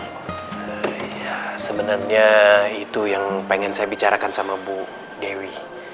ya sebenarnya itu yang pengen saya bicarakan sama bu dewi